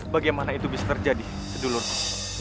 bagaimana itu bisa terjadi sedulurnya